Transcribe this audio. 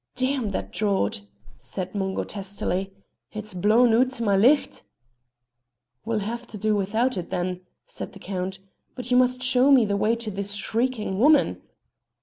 "D n that draught!" said Mungo testily, "it's blawn oot my licht." "We'll have to do without it, then," said the Count, "but you must show me the way to this shrieking woman."